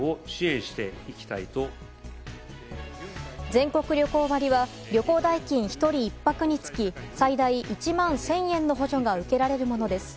全国旅行割は旅行代金１泊につき最大１万１０００円の補助が受けられるものです。